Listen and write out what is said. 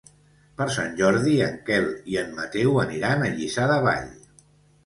Per Sant Jordi en Quel i en Mateu aniran a Lliçà de Vall.